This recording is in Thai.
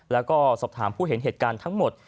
แล้วก็สอบถามผู้เห็นเหตุการณ์ทั้งหมด